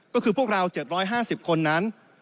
ก็คือพวกเรา๗๕๐คนนั้น